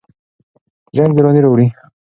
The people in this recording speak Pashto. جنګ ویراني راوړي.